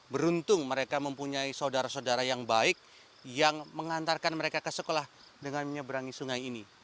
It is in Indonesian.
beruntung mereka mempunyai saudara saudara yang baik yang mengantarkan mereka ke sekolah dengan menyeberangi sungai ini